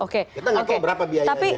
kita nggak tahu berapa biayanya